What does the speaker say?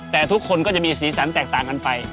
แต่ทุกคนก็จะมีสีสันแตกต่างกันไป